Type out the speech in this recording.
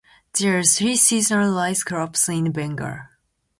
There are three seasonal rice crops in Bengal.